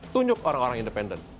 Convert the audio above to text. tunjuk orang orang independen